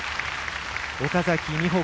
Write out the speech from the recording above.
岡崎美穂